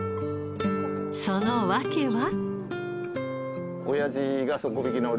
その訳は？